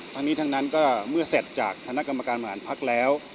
ทั้งนี้ทั้งนั้นก็เมื่อเสร็จจากคณะกรรมการบริหารพักแล้ว